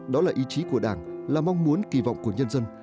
đó là ý chí của đảng là mong muốn kỳ vọng của nhân dân